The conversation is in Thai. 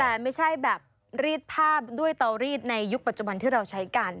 แต่ไม่ใช่แบบรีดภาพด้วยเตารีดในยุคปัจจุบันที่เราใช้กัน